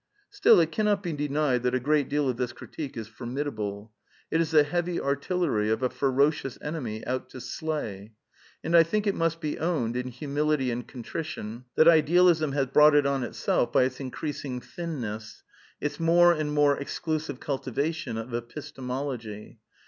Still, it cannot be denied that a great deal of this critique is formidable. It is the heavy artillery of a ferocious enemy out to slay. And I think it must be owned, in humility and contrition, that Idealism has brought it on^\, itself, by itsJ acTRafliTig ^^ thinTlPffl»'^ ita moi a ni nl fwnr g"*^ exclusive cu ltivation of ^pistemolD gy.